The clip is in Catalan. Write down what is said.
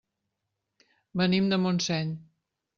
Venim de Montseny.